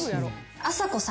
あさこさん